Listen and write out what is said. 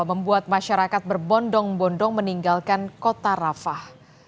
membuat masyarakat berbondong bondong meninggalkan kota rafah